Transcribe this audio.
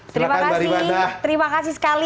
terima kasih sekali